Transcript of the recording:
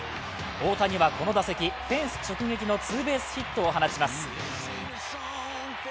大谷はこの打席、フェンス直撃のツーベースヒットを放ちます。